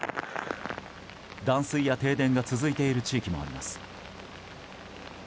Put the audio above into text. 断水や停電が続いている地域もあります。